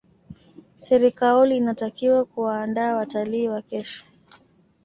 serikaoli inatakiwa kuwaandaa watalii wa kesho